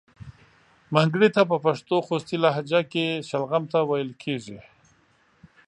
منګړیته په پښتو خوستی لهجه کې شلغم ته ویل کیږي.